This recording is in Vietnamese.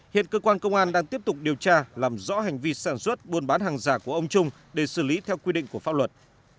hiện cơ quan công an đang tiếp tục điều tra làm rõ hành vi sản xuất buôn bán hàng giả của ông trung để xử lý theo quy định của pháp luật